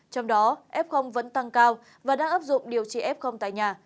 trong đó f vẫn tăng cao và đang áp dụng điều trị f tại nhà